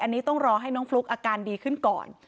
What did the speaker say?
อันนี้ต้องรอให้น้องฟลุ๊กอาการดีขึ้นก่อน